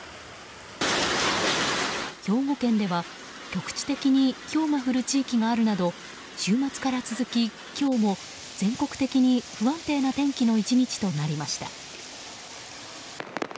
兵庫県では局地的にひょうが降る地域があるなど週末から続き、今日も全国的に不安定な天気の１日となりました。